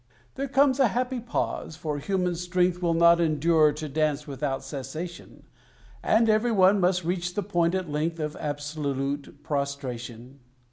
There comes a happy pause, for human strength Will not endure to dance without cessation; And every one must reach the point at length Of absolute prostration.